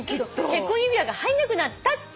結婚指輪が入んなくなったって。